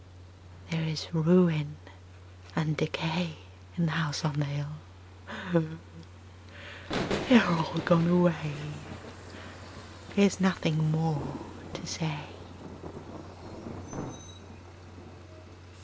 There is ruin and decay In the House on the Hill They are all gone away, There is nothing more to say.